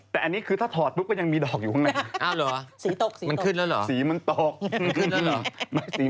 แต่อันนี้คือถ้าถอดทุกลูกก็ยังมีดอกอยู่ข้างใน